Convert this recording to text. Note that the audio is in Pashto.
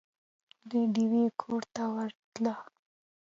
د ډېوې کور ته ورتله